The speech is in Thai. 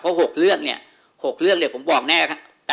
เพราะ๖เรื่องเนี่ย๖เรื่องเนี่ยผมบอกแน่